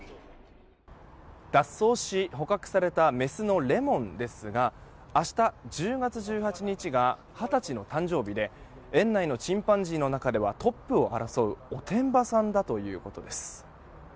脱走し捕獲されたメスのレモンですが明日、１０月１８日が二十歳の誕生日で園内のチンパンジーの中ではトップを争うおてんばさんだということです。